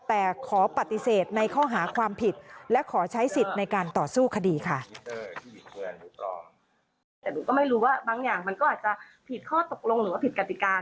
แต่ขอปฏิเสธในข้อหาความผิดและขอใช้สิทธิ์ในการต่อสู้คดีค่ะ